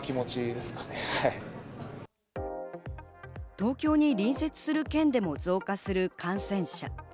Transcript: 東京に隣接する県でも増加する感染者。